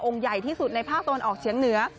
ใหญ่ที่สุดในภาคตะวันออกเฉียงเหนือ